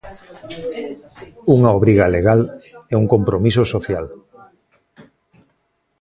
Unha obriga legal e un compromiso social.